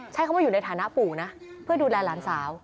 ใช้คำว่าอยู่ในฐานะปู่นะเพื่อดูแลหลานสาว